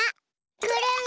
くるん。